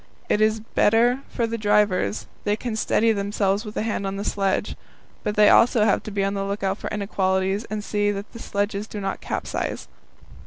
It is better for the drivers, they can steady themselves with a hand on the sledge. But they also have to be on the lookout for inequalities, and see that the sledges do not capsize.